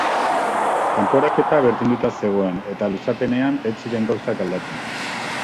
Kanporaketa berdinduta zegoen eta luzapenean ez ziren gauzak aldatu.